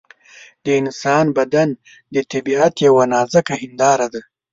د انسان بدن د طبیعت یوه نازکه هنداره ده.